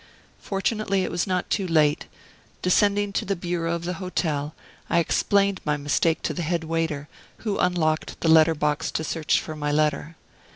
Fortunately it was not too late. Descending to the bureau of the hotel, I explained my mistake to the head waiter, who unlocked the letter box to search for my letter.